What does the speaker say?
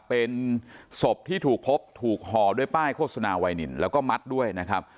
เป็นศพที่ถูกพบถูกห่อด้วยป้ายโฆษณาไวนินแล้วก็มัดด้วยนะครับ